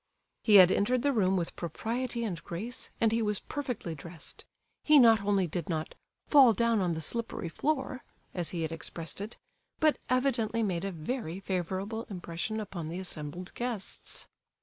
He had entered the room with propriety and grace, and he was perfectly dressed; he not only did not "fall down on the slippery floor," as he had expressed it, but evidently made a very favourable impression upon the assembled guests.